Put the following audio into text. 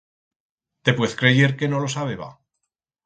Te puez creyer que no lo sabeba?